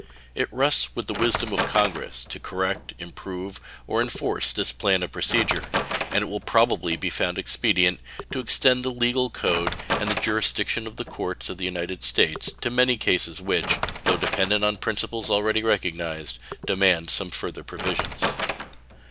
It rests with the wisdom of Congress to correct, improve, or enforce this plan of procedure; and it will probably be found expedient to extend the legal code and the jurisdiction of the courts of the United States to many cases which, though dependent on principles already recognized, demand some further provisions.